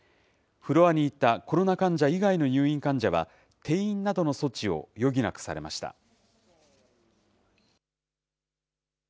フロアにいたコロナ患者以外の入院患者は、転院などの措置を余儀なくされました。